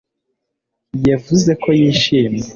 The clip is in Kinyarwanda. Yavuze ko yishimye